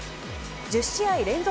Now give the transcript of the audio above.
１０試合連続